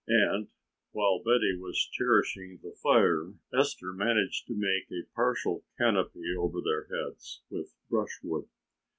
And while Betty was cherishing the fire, Esther managed to make a partial canopy over their heads with brushwood.